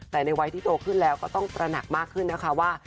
แต่ในวัยที่โตขึ้นแล้วก็ต้องตระหนักมากขึ้นนะคะว่า